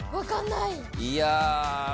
いや。